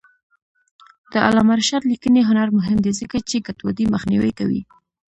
د علامه رشاد لیکنی هنر مهم دی ځکه چې ګډوډي مخنیوی کوي.